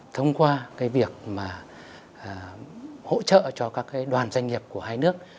thông qua việc hỗ trợ cho các đoàn doanh nghiệp của hai nước